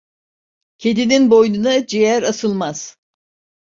Kedinin boynuna ciğer asılmaz.